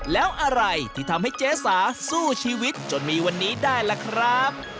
แล้วอะไรที่ทำให้เจ๊สาสู้ชีวิตจนมีวันนี้ได้ล่ะครับ